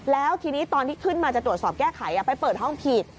แล้วทีนี้ตอนที่ขึ้นมาจะตรวจสอบแก้ไขไปเปิดห้องผิด